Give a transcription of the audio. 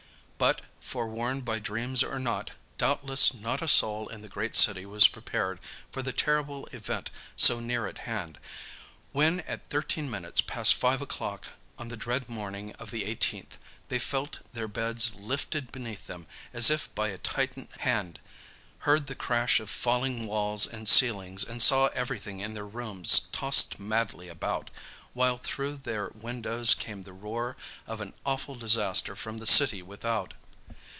But, forewarned by dreams or not, doubtless not a soul in the great city was prepared for the terrible event so near at hand, when, at thirteen minutes past five o'clock on the dread morning of the 18th, they felt their beds lifted beneath them as if by a Titan hand, heard the crash of falling walls and ceilings, and saw everything in their rooms tossed madly about, while through their windows came the roar of an awful disaster from the city without.